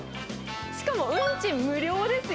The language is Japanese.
しかも、運賃無料ですよ。